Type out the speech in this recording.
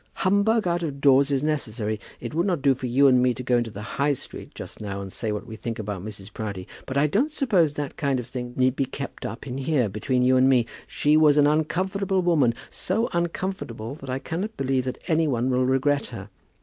Humbug out of doors is necessary. It would not do for you and me to go into the High Street just now and say what we think about Mrs. Proudie; but I don't suppose that kind of thing need be kept up in here, between you and me. She was an uncomfortable woman, so uncomfortable that I cannot believe that any one will regret her.